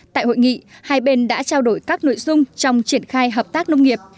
tại hội nghị hai bên đã trao đổi các nội dung trong triển khai hợp tác nông nghiệp